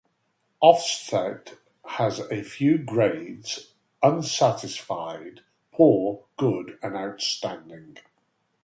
Ofsted has a few 'grades' unsatisfied, poor, good and outstanding.